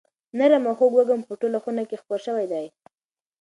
نرم او خوږ وږم په ټوله خونه کې خپور شوی دی.